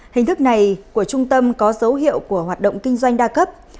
hình thức này của trung tâm có dấu hiệu của hoạt động kinh doanh đa cấp